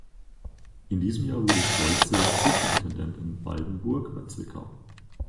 In diesem Jahr wurde Stoltze Superintendent in Waldenburg bei Zwickau.